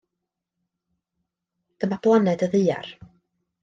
Dyma blaned y Ddaear.